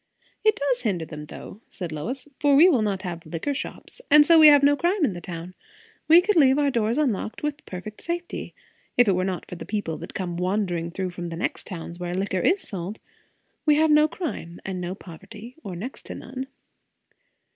"It does hinder them, though," said Lois; "for we will not have liquor shops. And so, we have no crime in the town. We could leave our doors unlocked, with perfect safety, if it were not for the people that come wandering through from the next towns, where liquor is sold. We have no crime, and no poverty; or next to none."